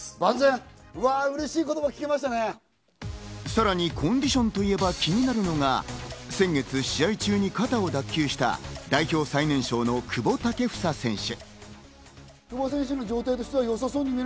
さらにコンディションといえば気になるのが、先月試合中に肩を脱臼した、代表最年少の久保建英選手。